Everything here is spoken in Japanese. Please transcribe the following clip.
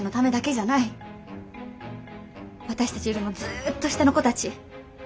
私たちよりもずっと下の子たち